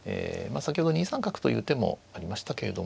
先ほど２三角という手もありましたけれども。